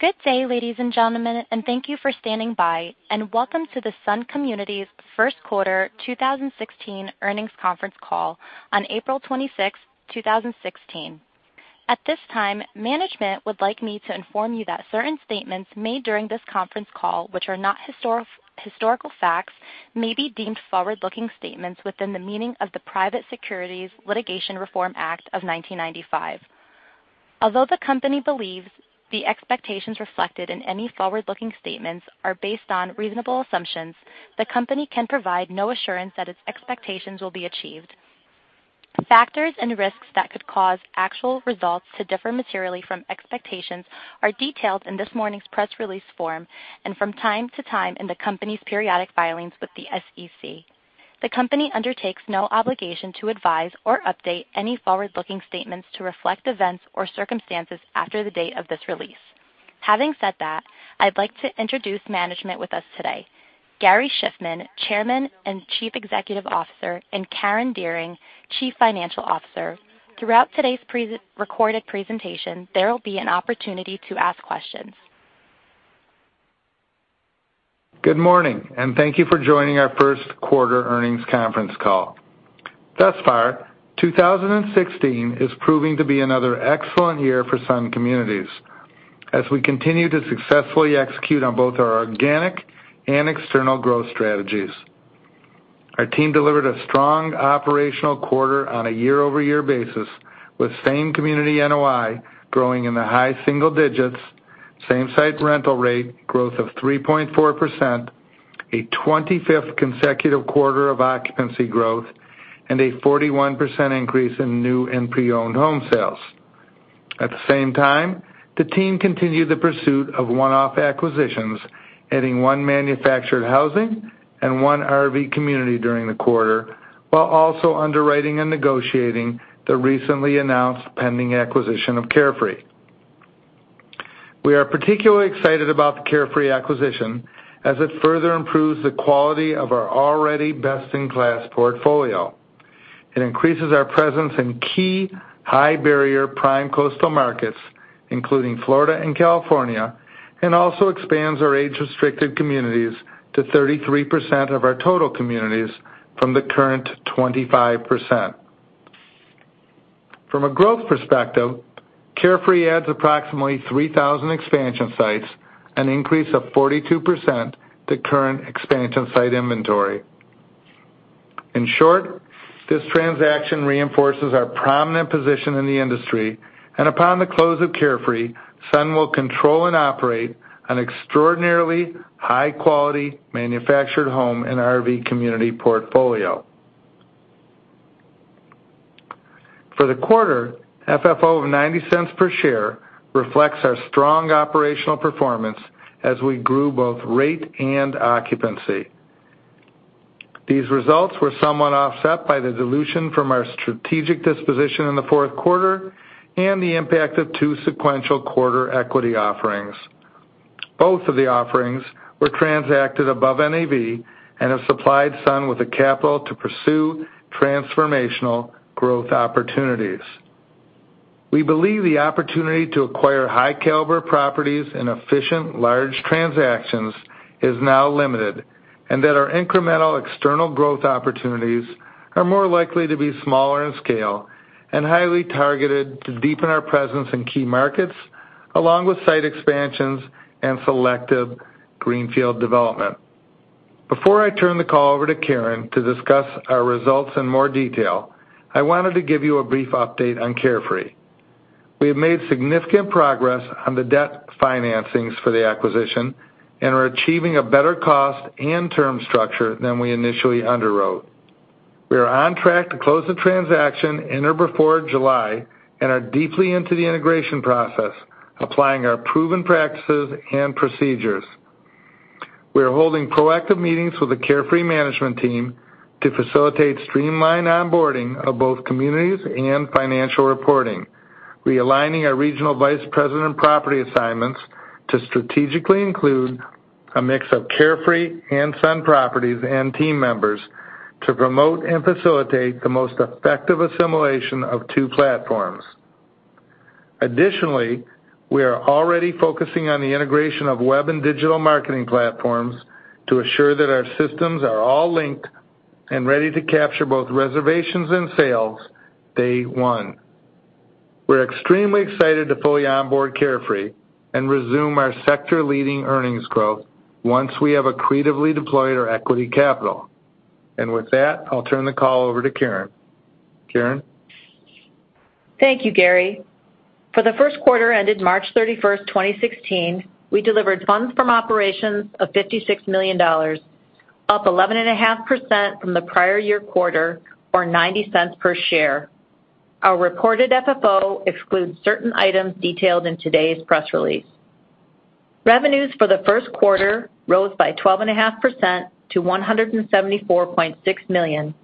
Good day, ladies and gentlemen, and thank you for standing by, and welcome to the Sun Communities first quarter 2016 earnings conference Call on April 26, 2016. At this time, management would like me to inform you that certain statements made during this conference call, which are not historical facts, may be deemed forward-looking statements within the meaning of the Private Securities Litigation Reform Act of 1995. Although the company believes the expectations reflected in any forward-looking statements are based on reasonable assumptions, the company can provide no assurance that its expectations will be achieved. Factors and risks that could cause actual results to differ materially from expectations are detailed in this morning's press release form, and from time to time in the company's periodic filings with the SEC. The company undertakes no obligation to advise or update any forward-looking statements to reflect events or circumstances after the date of this release. Having said that, I'd like to introduce management with us today, Gary Shiffman, Chairman and Chief Executive Officer, and Karen Dearing, Chief Financial Officer. Throughout today's pre-recorded presentation, there will be an opportunity to ask questions. Good morning, and thank you for joining our first quarter earnings conference call. Thus far, 2016 is proving to be another excellent year for Sun Communities as we continue to successfully execute on both our organic and external growth strategies. Our team delivered a strong operational quarter on a year-over-year basis, with same community NOI growing in the high single digits, same-site rental rate growth of 3.4%, a 25th consecutive quarter of occupancy growth, and a 41% increase in new and pre-owned home sales. At the same time, the team continued the pursuit of one-off acquisitions, adding one manufactured housing and one RV community during the quarter, while also underwriting and negotiating the recently announced pending acquisition of Carefree. We are particularly excited about the Carefree acquisition, as it further improves the quality of our already best-in-class portfolio. It increases our presence in key, high-barrier, prime coastal markets, including Florida and California, and also expands our age-restricted communities to 33% of our total communities from the current 25%. From a growth perspective, Carefree adds approximately 3,000 expansion sites, an increase of 42% to current expansion site inventory. In short, this transaction reinforces our prominent position in the industry, and upon the close of Carefree, Sun will control and operate an extraordinarily high-quality manufactured home and RV community portfolio. For the quarter, FFO of $0.90 per share reflects our strong operational performance as we grew both rate and occupancy. These results were somewhat offset by the dilution from our strategic disposition in the fourth quarter and the impact of two sequential quarter equity offerings. Both of the offerings were transacted above NAV and have supplied Sun with the capital to pursue transformational growth opportunities. We believe the opportunity to acquire high-caliber properties in efficient, large transactions is now limited, and that our incremental external growth opportunities are more likely to be smaller in scale and highly targeted to deepen our presence in key markets, along with site expansions and selective greenfield development. Before I turn the call over to Karen to discuss our results in more detail, I wanted to give you a brief update on Carefree. We have made significant progress on the debt financings for the acquisition and are achieving a better cost and term structure than we initially underwrote. We are on track to close the transaction in or before July and are deeply into the integration process, applying our proven practices and procedures. We are holding proactive meetings with the Carefree management team to facilitate streamlined onboarding of both communities and financial reporting, realigning our regional vice president property assignments to strategically include a mix of Carefree and Sun properties and team members to promote and facilitate the most effective assimilation of two platforms. Additionally, we are already focusing on the integration of web and digital marketing platforms to assure that our systems are all linked and ready to capture both reservations and sales, day one. We're extremely excited to fully onboard Carefree and resume our sector-leading earnings growth once we have accretively deployed our equity capital. With that, I'll turn the call over to Karen. Karen? Thank you, Gary. For the first quarter ended March 31, 2016, we delivered funds from operations of $56 million, up 11.5% from the prior year quarter or $0.90 per share. Our reported FFO excludes certain items detailed in today's press release. Revenues for the first quarter rose by 12.5% to $174.6 million,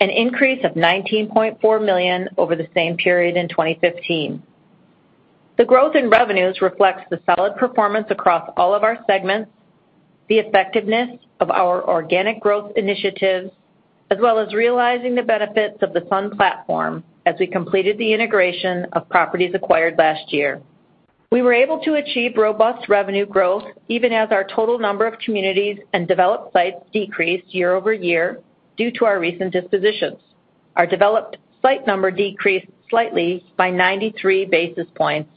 an increase of $19.4 million over the same period in 2015. The growth in revenues reflects the solid performance across all of our segments... the effectiveness of our organic growth initiatives, as well as realizing the benefits of the Sun platform as we completed the integration of properties acquired last year. We were able to achieve robust revenue growth, even as our total number of communities and developed sites decreased year-over-year due to our recent dispositions. Our developed site number decreased slightly by 93 basis points,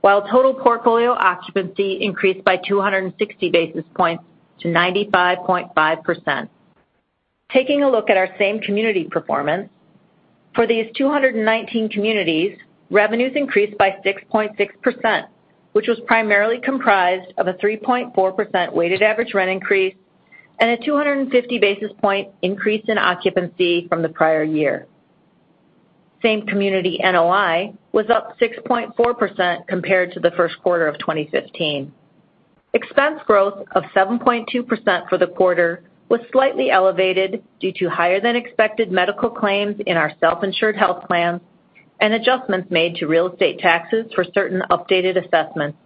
while total portfolio occupancy increased by 260 basis points to 95.5%. Taking a look at our same community performance, for these 219 communities, revenues increased by 6.6%, which was primarily comprised of a 3.4% weighted average rent increase and a 250 basis point increase in occupancy from the prior year. Same community NOI was up 6.4% compared to the first quarter of 2015. Expense growth of 7.2% for the quarter was slightly elevated due to higher than expected medical claims in our self-insured health plans and adjustments made to real estate taxes for certain updated assessments.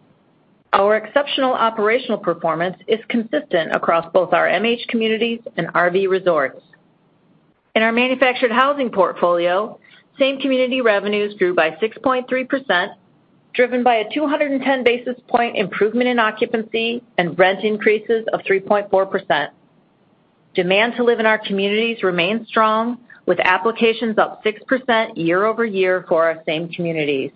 Our exceptional operational performance is consistent across both our MH communities and RV resorts. In our manufactured housing portfolio, same community revenues grew by 6.3%, driven by a 210 basis point improvement in occupancy and rent increases of 3.4%. Demand to live in our communities remains strong, with applications up 6% year-over-year for our same communities.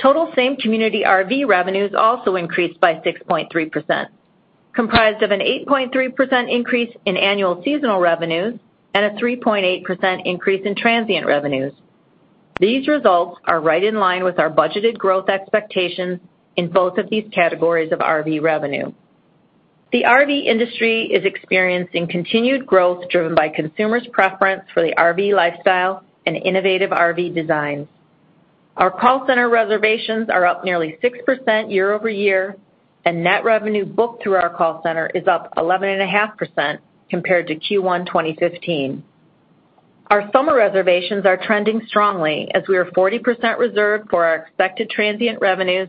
Total same community RV revenues also increased by 6.3%, comprised of an 8.3% increase in annual seasonal revenues and a 3.8% increase in transient revenues. These results are right in line with our budgeted growth expectations in both of these categories of RV revenue. The RV industry is experiencing continued growth, driven by consumers' preference for the RV lifestyle and innovative RV designs. Our call center reservations are up nearly 6% year-over-year, and net revenue booked through our call center is up 11.5% compared to Q1 2015. Our summer reservations are trending strongly, as we are 40% reserved for our expected transient revenues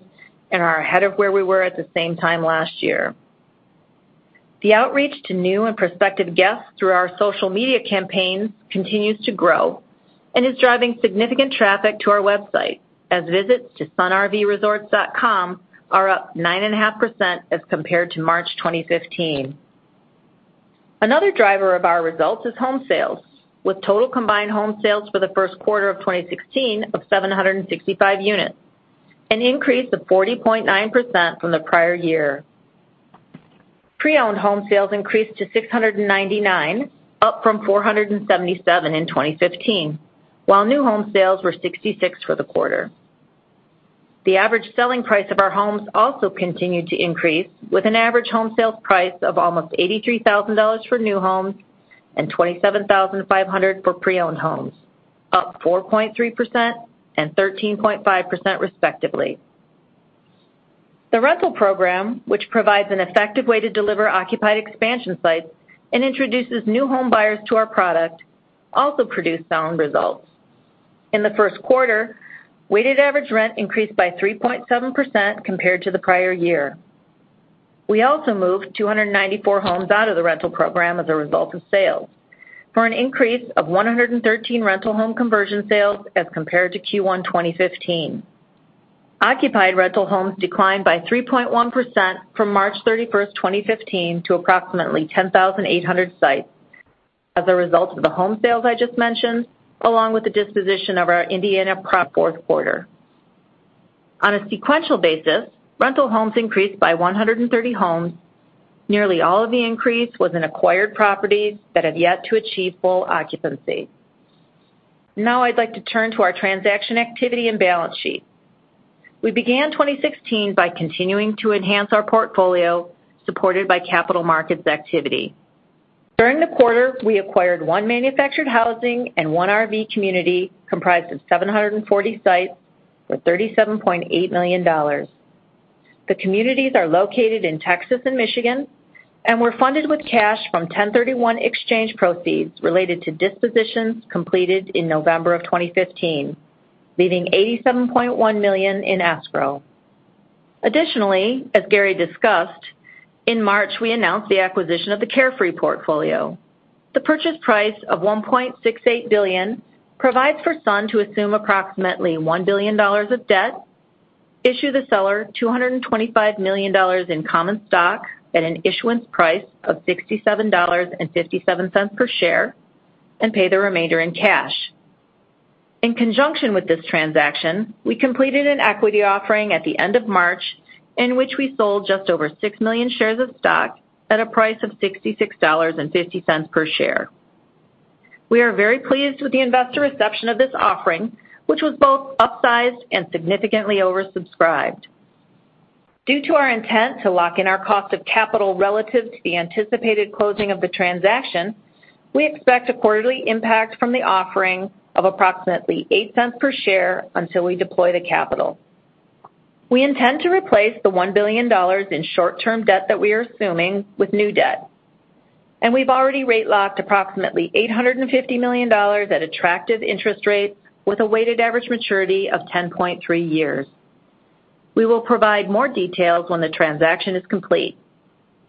and are ahead of where we were at the same time last year. The outreach to new and prospective guests through our social media campaigns continues to grow and is driving significant traffic to our website, as visits to sunrvresorts.com are up 9.5% as compared to March 2015. Another driver of our results is home sales, with total combined home sales for the first quarter of 2016 of 765 units, an increase of 40.9% from the prior year. Pre-owned home sales increased to 699, up from 477 in 2015, while new home sales were 66 for the quarter. The average selling price of our homes also continued to increase, with an average home sales price of almost $83,000 for new homes and $27,500 for pre-owned homes, up 4.3% and 13.5% respectively. The rental program, which provides an effective way to deliver occupied expansion sites and introduces new home buyers to our product, also produced sound results. In the first quarter, weighted average rent increased by 3.7% compared to the prior year. We also moved 294 homes out of the rental program as a result of sales, for an increase of 113 rental home conversion sales as compared to Q1 2015. Occupied rental homes declined by 3.1% from March 31, 2015, to approximately 10,800 sites as a result of the home sales I just mentioned, along with the disposition of our Indiana property fourth quarter. On a sequential basis, rental homes increased by 130 homes. Nearly all of the increase was in acquired properties that have yet to achieve full occupancy. Now I'd like to turn to our transaction activity and balance sheet. We began 2016 by continuing to enhance our portfolio, supported by capital markets activity. During the quarter, we acquired one manufactured housing and one RV community comprised of 740 sites for $37.8 million. The communities are located in Texas and Michigan and were funded with cash from 1031 exchange proceeds related to dispositions completed in November 2015, leaving $87.1 million in escrow. Additionally, as Gary discussed, in March, we announced the acquisition of the Carefree portfolio. The purchase price of $1.68 billion provides for Sun to assume approximately $1 billion of debt, issue the seller $225 million in common stock at an issuance price of $67.57 per share, and pay the remainder in cash. In conjunction with this transaction, we completed an equity offering at the end of March, in which we sold just over 6 million shares of stock at a price of $66.50 per share. We are very pleased with the investor reception of this offering, which was both upsized and significantly oversubscribed. Due to our intent to lock in our cost of capital relative to the anticipated closing of the transaction, we expect a quarterly impact from the offering of approximately $0.08 per share until we deploy the capital. We intend to replace the $1 billion in short-term debt that we are assuming with new debt… We’ve already rate locked approximately $850 million at attractive interest rates with a weighted average maturity of 10.3 years. We will provide more details when the transaction is complete.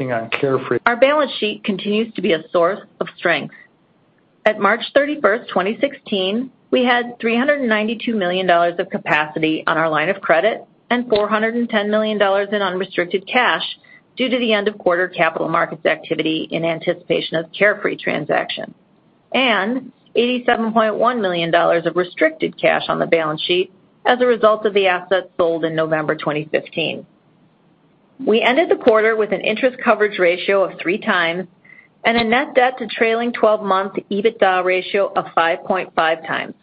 Our balance sheet continues to be a source of strength. At March 31, 2016, we had $392 million of capacity on our line of credit and $410 million in unrestricted cash due to the end of quarter capital markets activity in anticipation of the Carefree transaction, and $87.1 million of restricted cash on the balance sheet as a result of the assets sold in November 2015. We ended the quarter with an interest coverage ratio of 3x and a net debt to trailing twelve-month EBITDA ratio of 5.5x,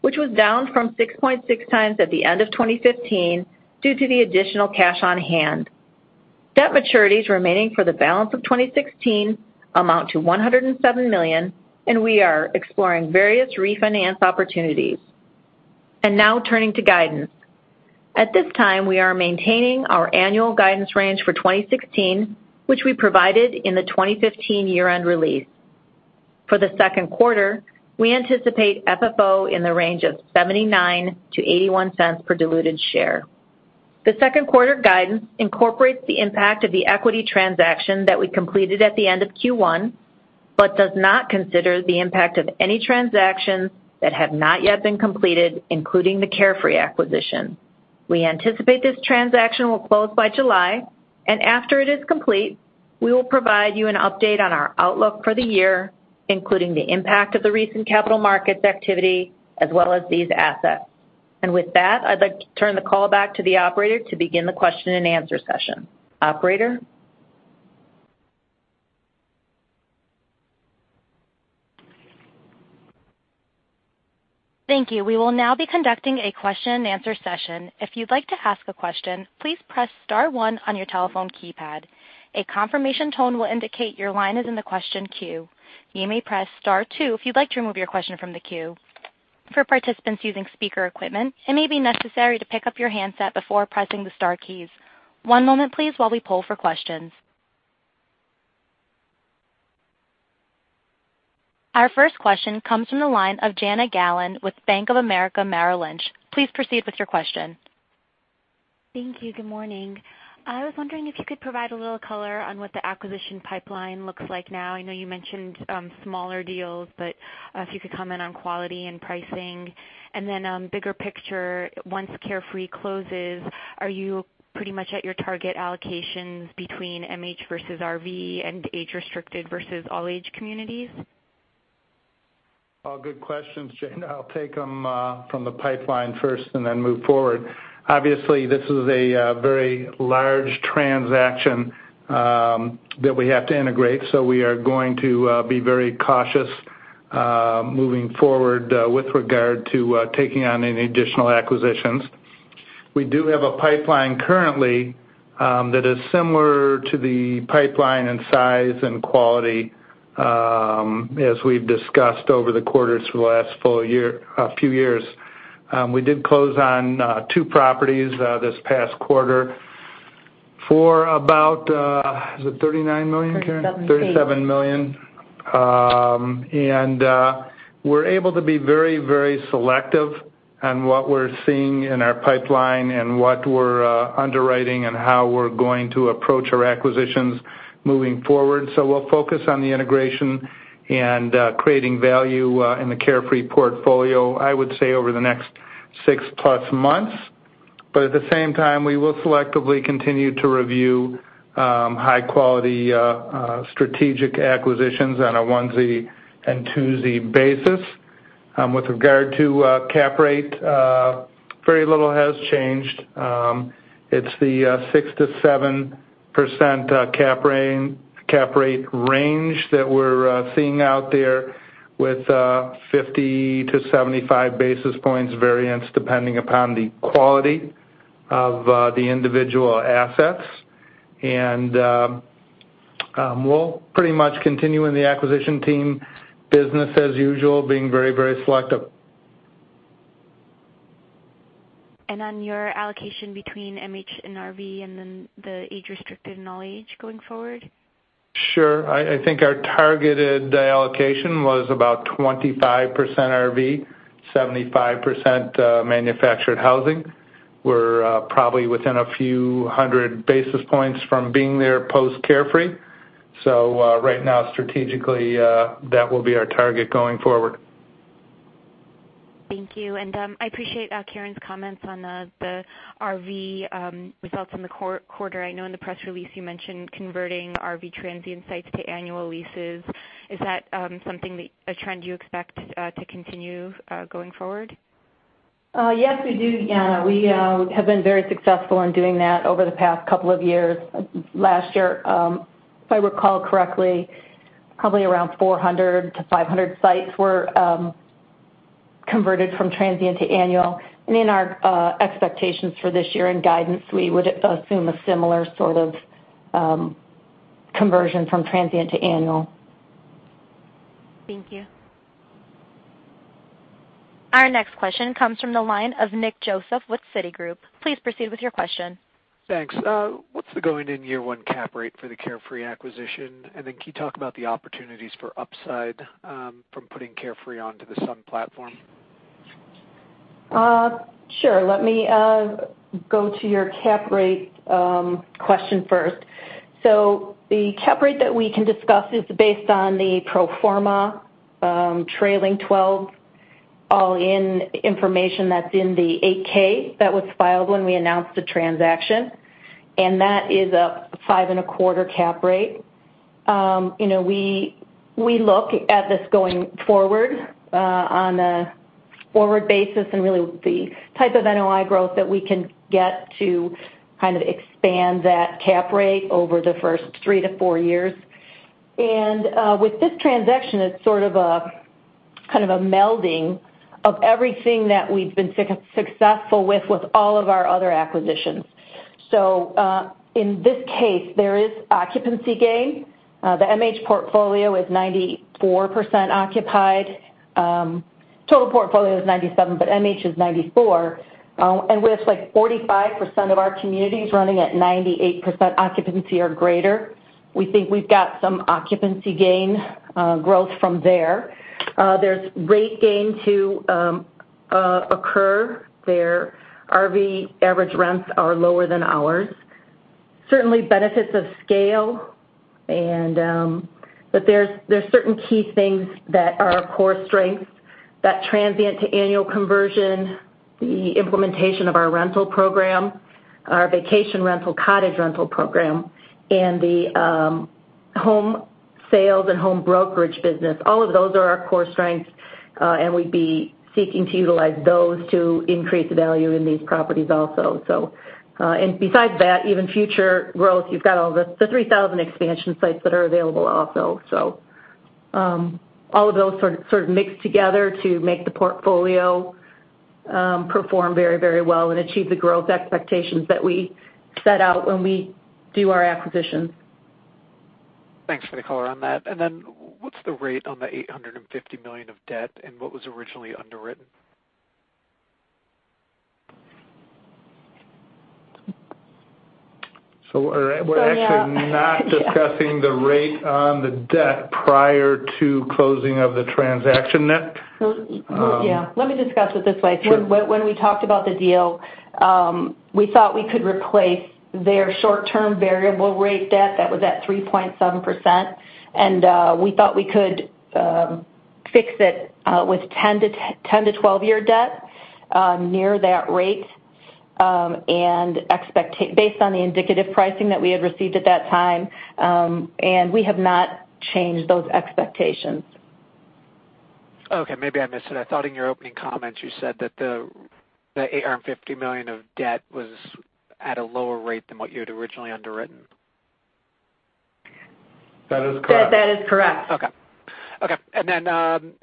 which was down from 6.6x at the end of 2015 due to the additional cash on hand. Debt maturities remaining for the balance of 2016 amount to $107 million, and we are exploring various refinance opportunities. Now turning to guidance. At this time, we are maintaining our annual guidance range for 2016, which we provided in the 2015 year-end release. For the second quarter, we anticipate FFO in the range of $0.79-$0.81 per diluted share. The second quarter guidance incorporates the impact of the equity transaction that we completed at the end of Q1, but does not consider the impact of any transactions that have not yet been completed, including the Carefree acquisition. We anticipate this transaction will close by July, and after it is complete, we will provide you an update on our outlook for the year, including the impact of the recent capital markets activity as well as these assets. And with that, I'd like to turn the call back to the operator to begin the question-and-answer session. Operator? Thank you. We will now be conducting a question-and-answer session. If you'd like to ask a question, please press star one on your telephone keypad. A confirmation tone will indicate your line is in the question queue. You may press star two if you'd like to remove your question from the queue. For participants using speaker equipment, it may be necessary to pick up your handset before pressing the star keys. One moment, please, while we poll for questions. Our first question comes from the line of Jana Galan with Bank of America Merrill Lynch. Please proceed with your question. Thank you. Good morning. I was wondering if you could provide a little color on what the acquisition pipeline looks like now. I know you mentioned smaller deals, but if you could comment on quality and pricing. And then, bigger picture, once Carefree closes, are you pretty much at your target allocations between MH versus RV and age-restricted versus all-age communities? All good questions, Jana. I'll take them from the pipeline first and then move forward. Obviously, this is a very large transaction that we have to integrate, so we are going to be very cautious moving forward with regard to taking on any additional acquisitions. We do have a pipeline currently that is similar to the pipeline in size and quality as we've discussed over the quarters for the last full year, few years. We did close on two properties this past quarter for about, is it $39 million, Karen? $37 million. $37 million. We're able to be very, very selective on what we're seeing in our pipeline and what we're underwriting and how we're going to approach our acquisitions moving forward. So we'll focus on the integration and creating value in the Carefree portfolio, I would say, over the next 6+ months. But at the same time, we will selectively continue to review high quality strategic acquisitions on a onesie and twosie basis. With regard to cap rate, very little has changed. It's the 6%-7% cap rate range that we're seeing out there, with 50-75 basis points variance, depending upon the quality of the individual assets. And we'll pretty much continue in the acquisition team business as usual, being very, very selective. On your allocation between MH and RV, and then the age-restricted and all age going forward? Sure. I think our targeted allocation was about 25% RV, 75%, manufactured housing. We're probably within a few hundred basis points from being there post-Carefree. So, right now, strategically, that will be our target going forward. Thank you. And, I appreciate Karen's comments on the RV results in the quarter. I know in the press release you mentioned converting RV transient sites to annual leases. Is that something that, a trend you expect to continue going forward? Yes, we do, Jana. We have been very successful in doing that over the past couple of years. Last year, if I recall correctly, probably around 400-500 sites were converted from transient to annual. And in our expectations for this year in guidance, we would assume a similar sort of conversion from transient to annual. Thank you. ...Our next question comes from the line of Nick Joseph with Citigroup. Please proceed with your question. Thanks. What's the going in year one cap rate for the Carefree acquisition? And then can you talk about the opportunities for upside, from putting Carefree onto the Sun platform? Sure. Let me go to your cap rate question first. So the cap rate that we can discuss is based on the pro forma trailing twelve, all in information that's in the 8-K that was filed when we announced the transaction, and that is a 5.25 cap rate. You know, we look at this going forward on a forward basis and really the type of NOI growth that we can get to kind of expand that cap rate over the first 3-4 years. With this transaction, it's sort of a kind of a melding of everything that we've been successful with, with all of our other acquisitions. So in this case, there is occupancy gain. The MH portfolio is 94% occupied. Total portfolio is 97%, but MH is 94%. And with, like, 45% of our communities running at 98% occupancy or greater, we think we've got some occupancy gain, growth from there. There's rate gain to occur. Their RV average rents are lower than ours. Certainly benefits of scale, and but there's certain key things that are our core strengths, that transient to annual conversion, the implementation of our rental program, our vacation rental, cottage rental program, and the home sales and home brokerage business. All of those are our core strengths, and we'd be seeking to utilize those to increase the value in these properties also. So, and besides that, even future growth, you've got all the 3,000 expansion sites that are available also. So, all of those sort of mix together to make the portfolio perform very, very well and achieve the growth expectations that we set out when we do our acquisitions. Thanks for the color on that. And then what's the rate on the $850 million of debt, and what was originally underwritten? We're actually not discussing the rate on the debt prior to closing of the transaction net. Yeah, let me discuss it this way. Sure. When we talked about the deal, we thought we could replace their short-term variable rate debt that was at 3.7%, and we thought we could fix it with 10-12 year debt near that rate, and expectations based on the indicative pricing that we had received at that time, and we have not changed those expectations. Okay, maybe I missed it. I thought in your opening comments, you said that the $850 million of debt was at a lower rate than what you had originally underwritten. That is correct. That is correct. Okay. Okay, and then,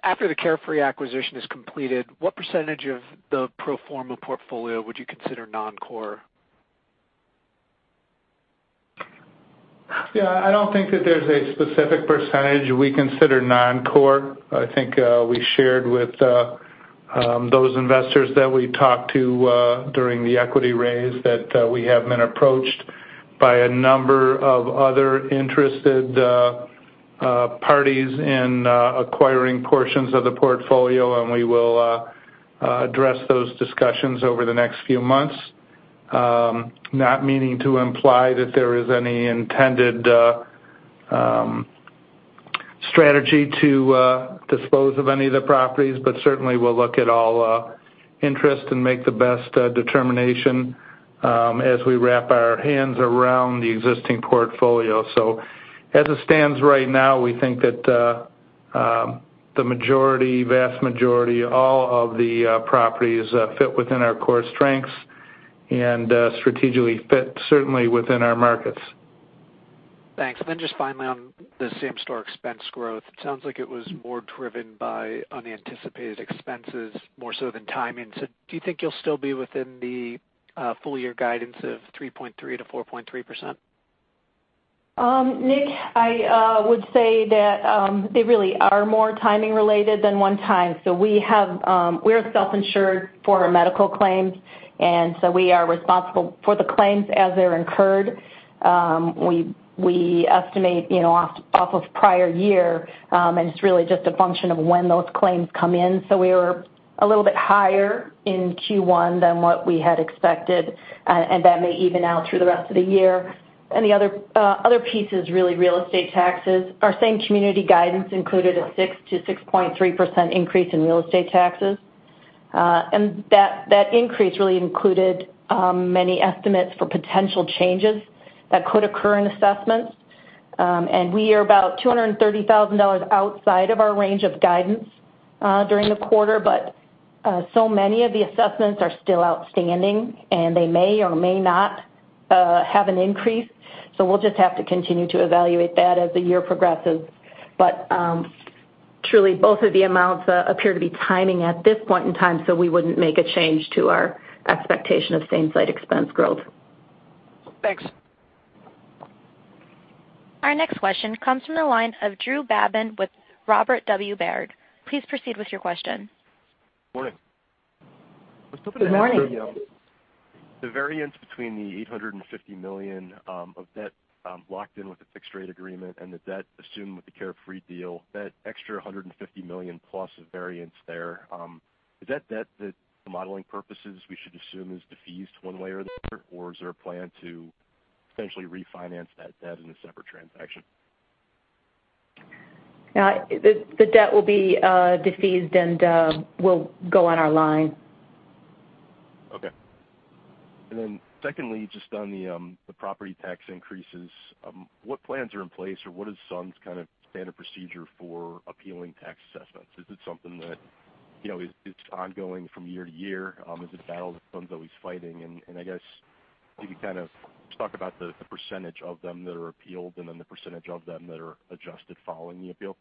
after the Carefree acquisition is completed, what percentage of the pro forma portfolio would you consider non-core? Yeah, I don't think that there's a specific percentage we consider non-core. I think we shared with those investors that we talked to during the equity raise, that we have been approached by a number of other interested parties in acquiring portions of the portfolio, and we will address those discussions over the next few months. Not meaning to imply that there is any intended strategy to dispose of any of the properties, but certainly we'll look at all interest and make the best determination as we wrap our hands around the existing portfolio. So as it stands right now, we think that the majority, vast majority, all of the properties fit within our core strengths and strategically fit certainly within our markets. Thanks. And then just finally, on the same store expense growth, it sounds like it was more driven by unanticipated expenses, more so than timing. So do you think you'll still be within the full year guidance of 3.3%-4.3%? Nick, I would say that they really are more timing related than one time. So we have, we're self-insured for our medical claims, and so we are responsible for the claims as they're incurred. We estimate, you know, off of prior year, and it's really just a function of when those claims come in. So we were a little bit higher in Q1 than what we had expected, and that may even out through the rest of the year. And the other piece is really real estate taxes. Our same community guidance included a 6%-6.3% increase in real estate taxes. And that increase really included many estimates for potential changes that could occur in assessments. And we are about $230,000 outside of our range of guidance during the quarter, but so many of the assessments are still outstanding, and they may or may not have an increase, so we'll just have to continue to evaluate that as the year progresses. But truly, both of the amounts appear to be timing at this point in time, so we wouldn't make a change to our expectation of same site expense growth. Thanks. Our next question comes from the line of Drew Babin with Robert W. Baird. Please proceed with your question. Good morning. Good morning. The variance between the $850 million of debt locked in with the fixed rate agreement and the debt assumed with the Carefree deal, that extra $150 million plus of variance there, is that debt that, for modeling purposes, we should assume is defeased one way or the other? Or is there a plan to potentially refinance that debt in a separate transaction? The debt will be defeased and will go on our line. Okay. And then secondly, just on the property tax increases, what plans are in place, or what is Sun's kind of standard procedure for appealing tax assessments? Is it something that, you know, is, it's ongoing from year to year? Is it battles Sun's always fighting? And, and I guess, can you kind of just talk about the percentage of them that are appealed and then the percentage of them that are adjusted following the appeal?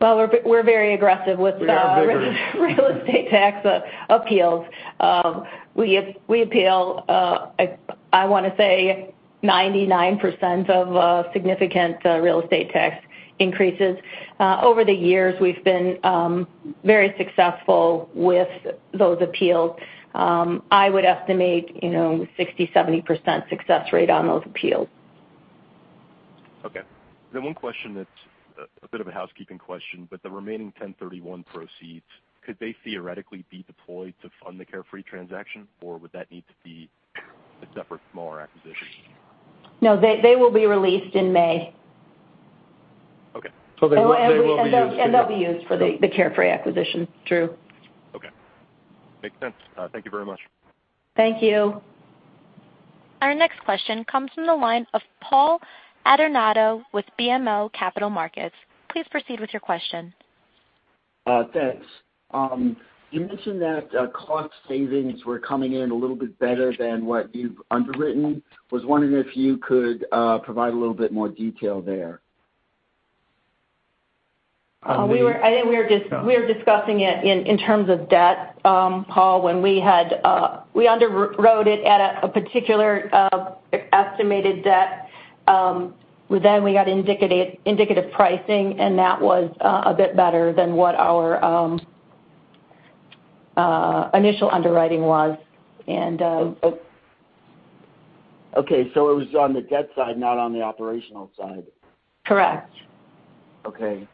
Well, we're very aggressive with. We are very. Real estate tax appeals. We appeal, I wanna say 99% of significant real estate tax increases. Over the years, we've been very successful with those appeals. I would estimate, you know, 60%-70% success rate on those appeals. Okay. Then one question that's a bit of a housekeeping question, but the remaining 1031 proceeds, could they theoretically be deployed to fund the Carefree transaction, or would that need to be a separate, smaller acquisition? No, they, they will be released in May. Okay. So they will be used- They'll be used for the Carefree acquisition, Drew. Okay. Makes sense. Thank you very much. Thank you. Our next question comes from the line of Paul Adornato with BMO Capital Markets. Please proceed with your question. Thanks. You mentioned that cost savings were coming in a little bit better than what you've underwritten. Was wondering if you could provide a little bit more detail there? We were. I think we were discussing it in terms of debt, Paul, when we had we underwrote it at a particular estimated debt. Then we got indicative pricing, and that was a bit better than what our initial underwriting was. And... Okay, so it was on the debt side, not on the operational side? Correct. Okay.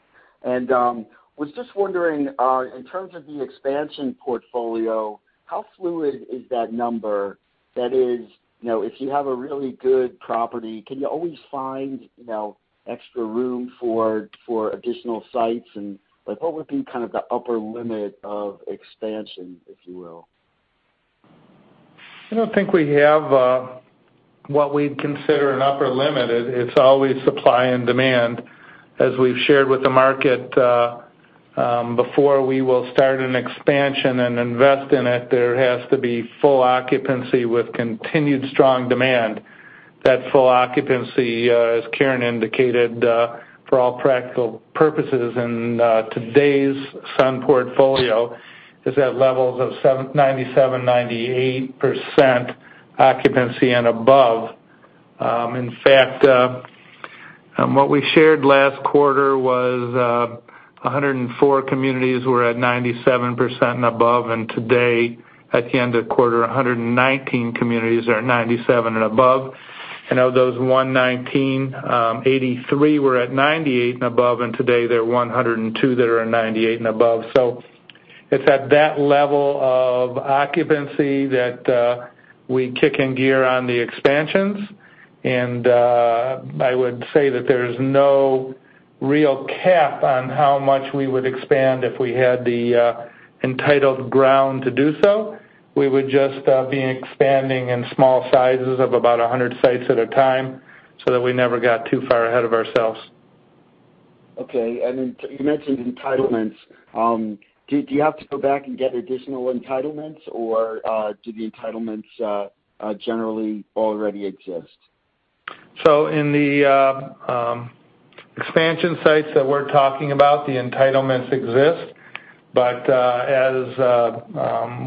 And, was just wondering, in terms of the expansion portfolio, how fluid is that number? That is, you know, if you have a really good property, can you always find, you know, extra room for additional sites? And, like, what would be kind of the upper limit of expansion, if you will? I don't think we have what we'd consider an upper limit. It's always supply and demand. As we've shared with the market, before we will start an expansion and invest in it, there has to be full occupancy with continued strong demand. That full occupancy, as Karen indicated, for all practical purposes, today's SUN portfolio is at levels of 97%, 98% occupancy and above. In fact, what we shared last quarter was, 104 communities were at 97% and above, and today, at the end of the quarter, 119 communities are at 97 and above. And of those 119, 83 were at 98% and above, and today there are 102 that are at 98% and above. So it's at that level of occupancy that we kick in gear on the expansions. I would say that there's no real cap on how much we would expand if we had the entitled ground to do so. We would just be expanding in small sizes of about 100 sites at a time, so that we never got too far ahead of ourselves. Okay. And then you mentioned entitlements. Do you have to go back and get additional entitlements, or do the entitlements generally already exist? So in the expansion sites that we're talking about, the entitlements exist. But, as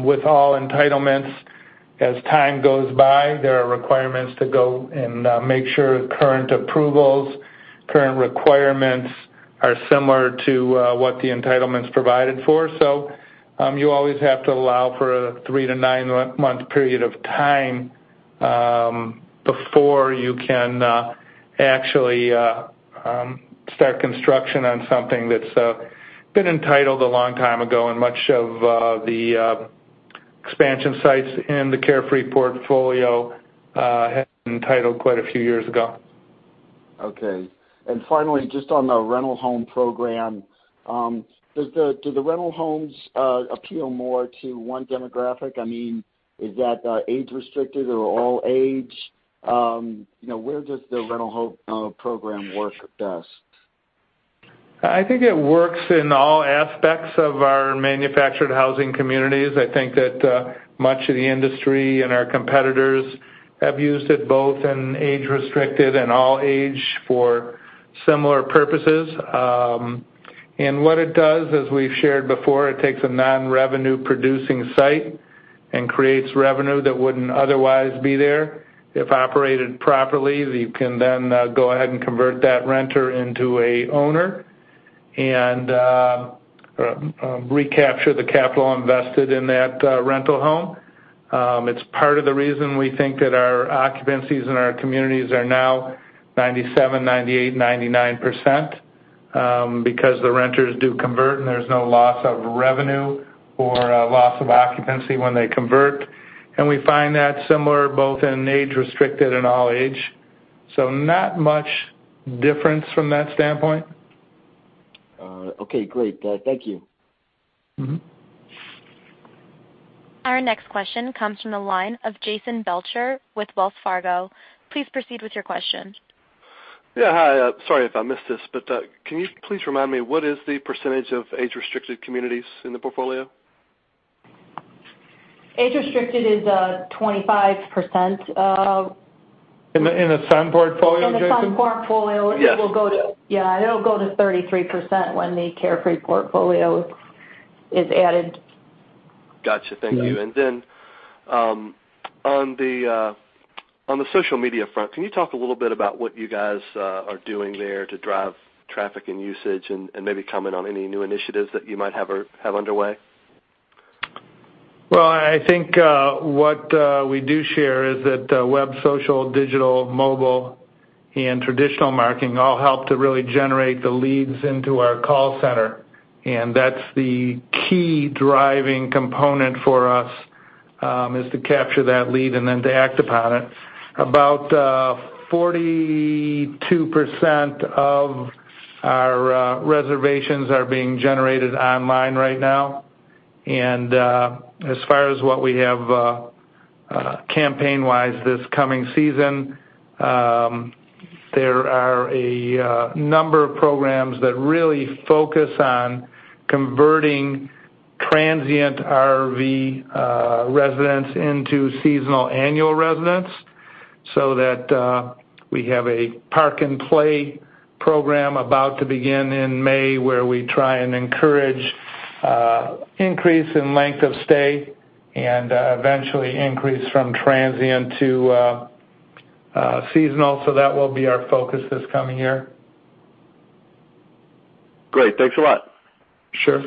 with all entitlements, as time goes by, there are requirements to go and make sure current approvals, current requirements are similar to what the entitlements provided for. So, you always have to allow for a 3-9 month period of time before you can actually start construction on something that's been entitled a long time ago, and much of the expansion sites in the Carefree portfolio had entitled quite a few years ago. Okay. Finally, just on the rental home program, do the rental homes appeal more to one demographic? I mean, is that age-restricted or all age? You know, where does the rental home program work best? I think it works in all aspects of our manufactured housing communities. I think that much of the industry and our competitors have used it both in age-restricted and all age for similar purposes. And what it does, as we've shared before, it takes a non-revenue producing site and creates revenue that wouldn't otherwise be there. If operated properly, you can then go ahead and convert that renter into an owner and recapture the capital invested in that rental home. It's part of the reason we think that our occupancies in our communities are now 97%, 98%, 99%, because the renters do convert, and there's no loss of revenue or loss of occupancy when they convert. And we find that similar both in age-restricted and all age. So not much difference from that standpoint. Okay, great. Thank you. Our next question comes from the line of Jason Belcher with Wells Fargo. Please proceed with your question. Yeah, hi. Sorry if I missed this, but, can you please remind me, what is the percentage of age-restricted communities in the portfolio? Age-restricted is 25%, In the Sun portfolio, Jason? In the Sun portfolio. Yes. It will go to... Yeah, it'll go to 33% when the Carefree portfolio is added. Gotcha. Thank you. And then, on the social media front, can you talk a little bit about what you guys are doing there to drive traffic and usage, and maybe comment on any new initiatives that you might have or have underway? Well, I think what we do share is that web, social, digital, mobile, and traditional marketing all help to really generate the leads into our call center. And that's the key driving component for us is to capture that lead and then to act upon it. About 42% of our reservations are being generated online right now. And as far as what we have campaign-wise this coming season, there are a number of programs that really focus on converting transient RV residents into seasonal annual residents, so that we have a Park and Play program about to begin in May, where we try and encourage increase in length of stay and eventually increase from transient to seasonal. So that will be our focus this coming year. Great. Thanks a lot. Sure.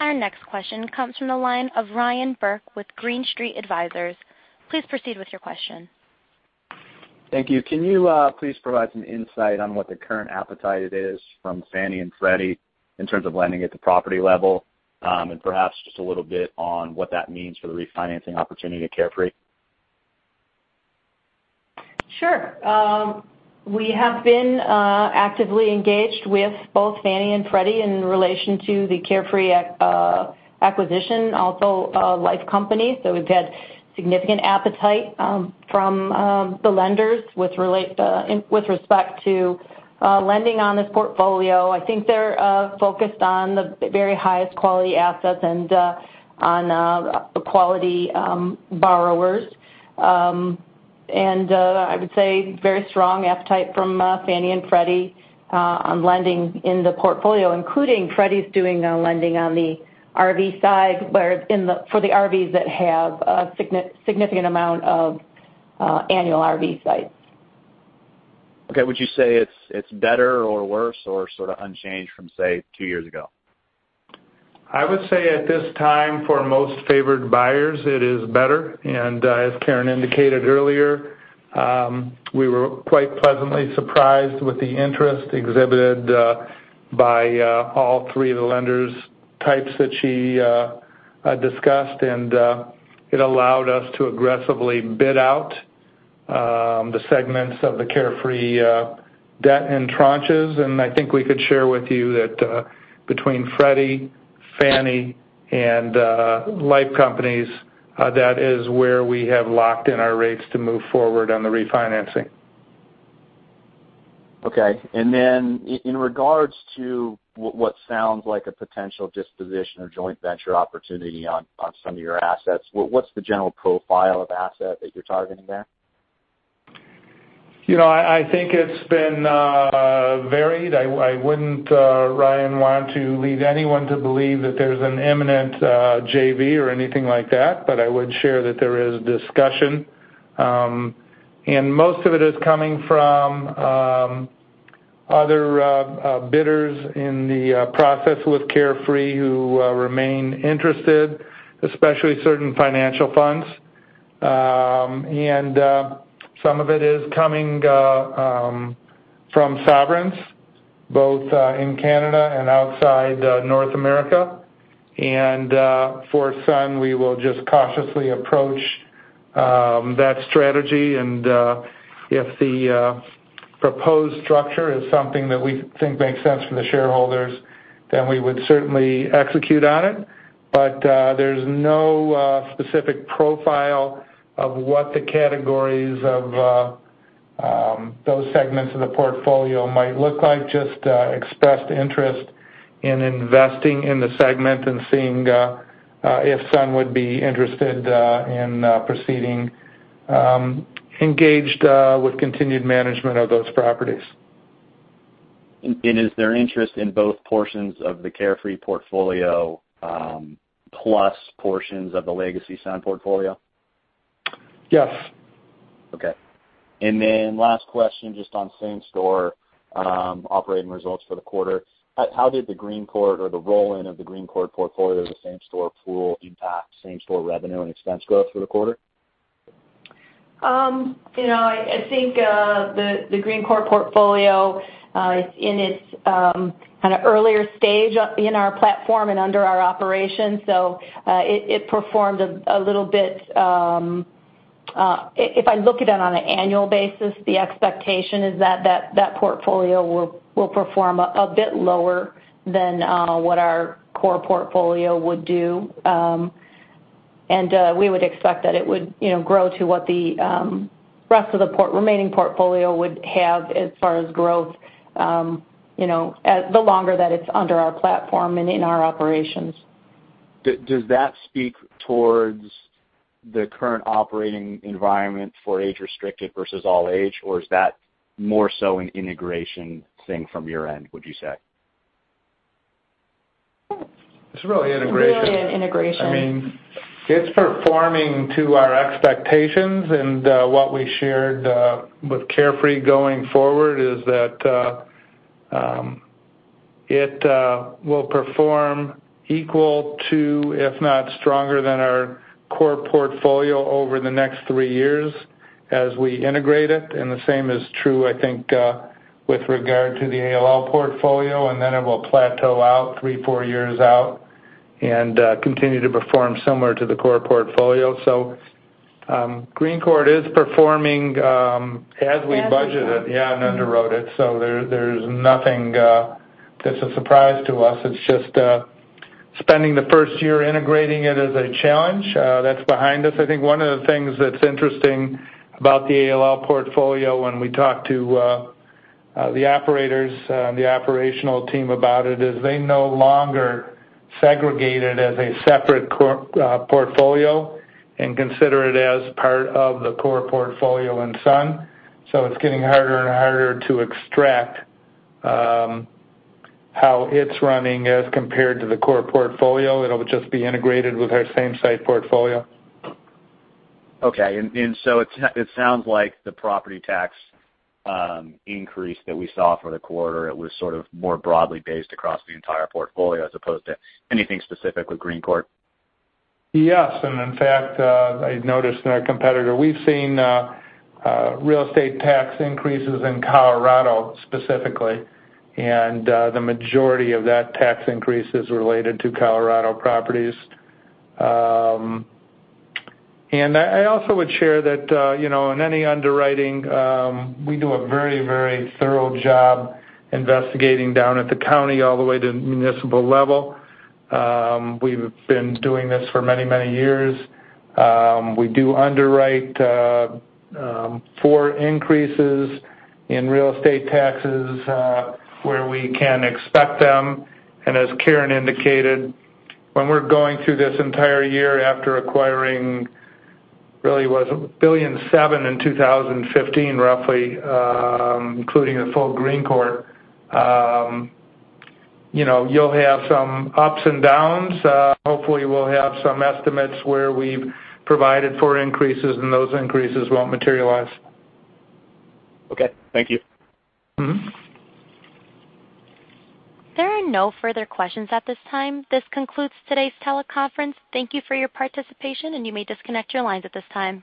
Our next question comes from the line of Ryan Burke with Green Street Advisors. Please proceed with your question. Thank you. Can you, please provide some insight on what the current appetite it is from Fannie and Freddie in terms of lending at the property level? And perhaps just a little bit on what that means for the refinancing opportunity at Carefree. Sure. We have been actively engaged with both Fannie and Freddie in relation to the Carefree acquisition, also Life company. So we've had significant appetite from the lenders with respect to lending on this portfolio. I think they're focused on the very highest quality assets and on the quality borrowers. And I would say very strong appetite from Fannie and Freddie on lending in the portfolio, including Freddie's doing lending on the RV side, where the RVs that have a significant amount of annual RV sites. Okay. Would you say it's, it's better or worse or sort of unchanged from, say, two years ago? I would say at this time, for most favored buyers, it is better. And, as Karen indicated earlier, we were quite pleasantly surprised with the interest exhibited, by, all three of the lenders types that she, discussed. And, it allowed us to aggressively bid out, the segments of the Carefree, debt and tranches. And I think we could share with you that, between Freddie, Fannie, and, Life companies, that is where we have locked in our rates to move forward on the refinancing. Okay. And then in regards to what sounds like a potential disposition or joint venture opportunity on some of your assets, what's the general profile of asset that you're targeting there? You know, I think it's been varied. I wouldn't, Ryan, want to lead anyone to believe that there's an imminent JV or anything like that, but I would share that there is discussion. And most of it is coming from other bidders in the process with Carefree, who remain interested, especially certain financial funds. And some of it is coming from sovereigns, both in Canada and outside North America. And for Sun, we will just cautiously approach that strategy. And if the proposed structure is something that we think makes sense for the shareholders, then we would certainly execute on it. But there's no specific profile of what the categories of those segments of the portfolio might look like, just expressed interest. in investing in the segment and seeing if Sun would be interested in proceeding engaged with continued management of those properties. Is there interest in both portions of the Carefree portfolio, plus portions of the legacy Sun portfolio? Yes. Okay. And then last question, just on same-store operating results for the quarter. How did the Green Courte or the roll-in of the Green Courte portfolio, the same-store pool, impact same-store revenue and expense growth for the quarter? You know, I think the Green Courte portfolio is in its kind of earlier stage up in our platform and under our operations, so it performed a little bit if I look at it on an annual basis, the expectation is that that portfolio will perform a bit lower than what our core portfolio would do. And we would expect that it would, you know, grow to what the rest of the remaining portfolio would have as far as growth, you know, the longer that it's under our platform and in our operations. Does that speak towards the current operating environment for age-restricted versus all age, or is that more so an integration thing from your end, would you say? It's really integration. Really an integration. I mean, it's performing to our expectations, and what we shared with Carefree going forward is that it will perform equal to, if not stronger than our core portfolio over the next three years as we integrate it. And the same is true, I think, with regard to the ALL portfolio, and then it will plateau out three, four years out and continue to perform similar to the core portfolio. So, Green Courte is performing as we budgeted- As we budget. Yeah, and underwrote it, so there's nothing that's a surprise to us. It's just spending the first year integrating it as a challenge that's behind us. I think one of the things that's interesting about the ALL portfolio when we talk to the operators and the operational team about it is they no longer segregate it as a separate core portfolio and consider it as part of the core portfolio in Sun. So it's getting harder and harder to extract how it's running as compared to the core portfolio. It'll just be integrated with our same-site portfolio. Okay. And so it sounds like the property tax increase that we saw for the quarter was sort of more broadly based across the entire portfolio as opposed to anything specific with Green Courte? Yes, and in fact, I noticed in our competitor, we've seen real estate tax increases in Colorado specifically, and the majority of that tax increase is related to Colorado properties. And I also would share that, you know, in any underwriting, we do a very, very thorough job investigating down at the county all the way to municipal level. We've been doing this for many, many years. We do underwrite for increases in real estate taxes where we can expect them, and as Karen indicated, when we're going through this entire year after acquiring really was $1.007 billion in 2015, roughly, including the full Green Courte, you know, you'll have some ups and downs. Hopefully, we'll have some estimates where we've provided for increases, and those increases won't materialize. Okay. Thank you. There are no further questions at this time. This concludes today's teleconference. Thank you for your participation, and you may disconnect your lines at this time.